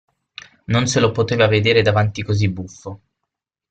Non se lo poteva vedere davanti così buffo.